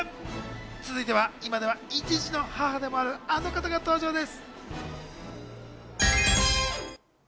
続いては今では一児の母でもある、あの方が登場です。